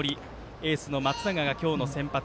エースの松永が今日の先発。